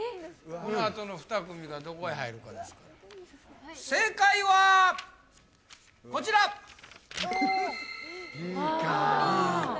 このあとの２組がどこへ入るかですから正解はこちらＢかＢなんだすごい